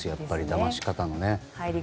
だまし方のね。